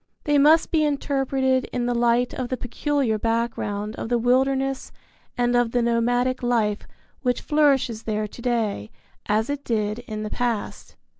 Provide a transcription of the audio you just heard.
They must be interpreted in the light of the peculiar background of the wilderness and of the nomadic life which flourishes there to day as it did in the past.